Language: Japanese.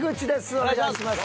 お願いします。